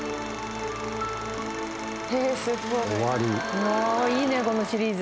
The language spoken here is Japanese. うわっいいねこのシリーズ。